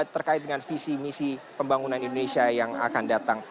terkait dengan visi misi pembangunan indonesia yang akan datang